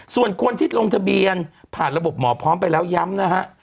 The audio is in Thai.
ส่วนคนที่ลงทะเบียนผ่านระบบหมอพร้อมไปแล้วย้ำนะฮะ